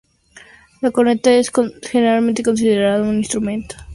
La corneta es generalmente considerada un instrumento difícil de tocar.